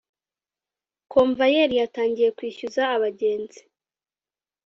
komvayeri yatangiye kwishyuza abagenzi